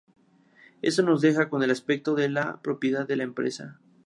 Eso nos deja con el aspecto de la propiedad de la empresa.